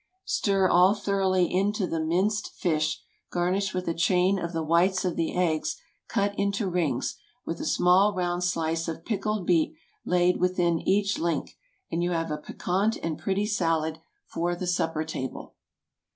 Stir all thoroughly into the minced fish, garnish with a chain of the whites of the eggs cut into rings, with a small round slice of pickled beet laid within each link, and you have a piquant and pretty salad for the supper table.